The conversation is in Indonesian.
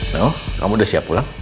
nah oh kamu udah siap pulang